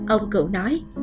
ông cựu nói